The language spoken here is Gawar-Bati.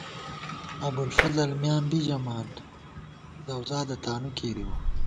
ابُوالفضل میاں بی ژَمان ، زؤزادہ تانُو کېرِؤ